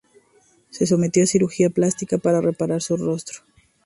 Se sometió a cirugía plástica para reparar su rostro.